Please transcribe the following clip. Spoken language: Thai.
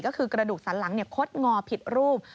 ก็คือกระดูกสันหลังคดงอผิดรูป